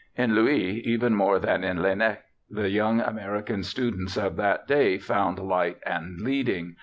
In Louis, even more than in Laennec, the young American students of that day found light and leading.